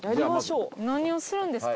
何をするんですか？